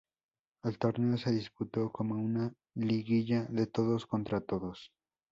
El torneo se disputó como una liguilla de todos contra todos.